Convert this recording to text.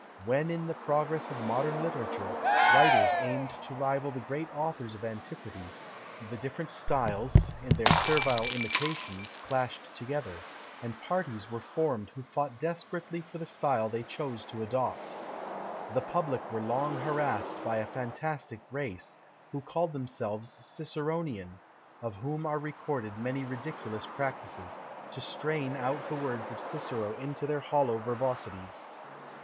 When in the progress of modern literature, writers aimed to rival the great authors of antiquity, the different styles, in their servile imitations, clashed together; and parties were formed who fought desperately for the style they chose to adopt. The public were long harassed by a fantastic race, who called themselves Ciceronian, of whom are recorded many ridiculous practices, to strain out the words of Cicero into their hollow verbosities.